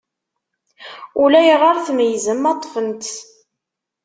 Ulayɣer tmeyyzem ma ṭṭfen-tt.